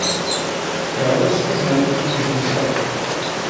V královském majetku již zůstal.